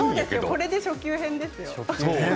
これで初級編ですよ。